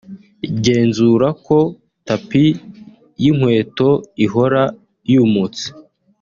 Genzura ko tapis y’inkweto ihora yumutse